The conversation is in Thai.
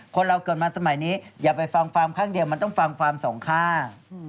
คนเราเกิดมาสมัยนี้อย่าไปฟังฟาร์มข้างเดียวมันต้องฟังความสองข้าง